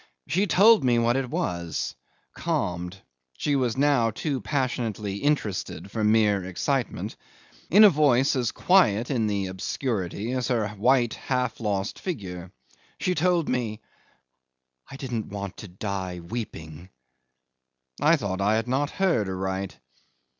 She told me what it was, calmed she was now too passionately interested for mere excitement in a voice as quiet in the obscurity as her white half lost figure. She told me, "I didn't want to die weeping." I thought I had not heard aright.